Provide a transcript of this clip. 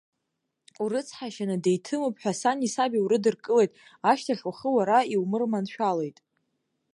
Урыцҳашьаны, деиҭымуп ҳәа, сани саби урыдыркылеит, ашьҭахь ухы уара иумырманшәалеит.